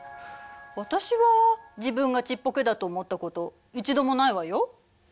私は自分がちっぽけだと思ったこと一度もないわよ。